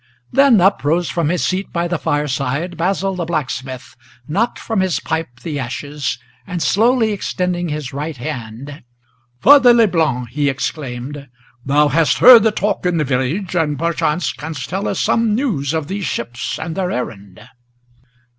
Then up rose from his seat by the fireside Basil the blacksmith, Knocked from his pipe the ashes, and slowly extending his right hand, "Father Leblanc," he exclaimed, "thou hast heard the talk in the village, And, perchance, canst tell us some news of these ships and their errand."